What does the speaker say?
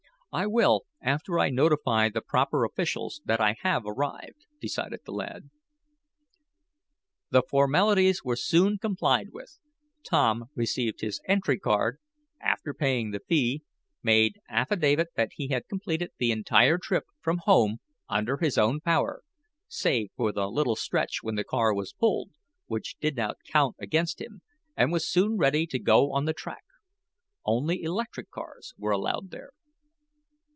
"I will, after I notify the proper officials that I have arrived," decided the lad. The formalities were soon complied with. Tom received his entry card, after paying the fee, made affidavit that he had completed the entire trip from home under his own power, save for the little stretch when the car was pulled, which did not count against him, and was soon ready to go on the track. Only electric cars were allowed there.